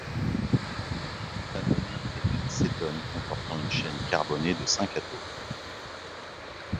La pentanone est une cétone comportant une chaine carbonée de cinq atomes.